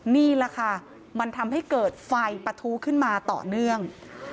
นี่แหละค่ะมันทำให้เกิดไฟปะทู้ขึ้นมาต่อเนื่อง